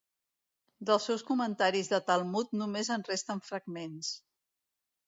Dels seus comentaris de Talmud només en resten fragments.